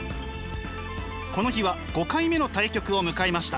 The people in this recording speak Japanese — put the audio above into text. この日は５回目の対局を迎えました。